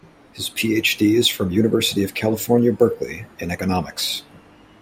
His Ph.D is from University of California, Berkeley in economics.